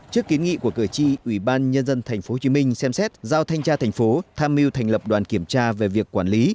trước kiến nghị của cử tri ubnd tp hcm xem xét giao thanh tra thành phố tham mưu thành lập đoàn kiểm tra về việc quản lý